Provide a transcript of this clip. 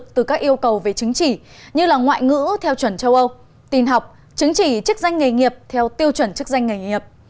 tình học chứng chỉ chức danh nghề nghiệp theo tiêu chuẩn chức danh nghề nghiệp